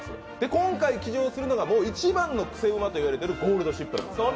今回、騎乗するのが一番のクセ馬といわれているゴールドシップなんです。